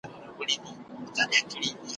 هره دقيقه او ساعت دونه ارزښت لري چي هېڅ ځای `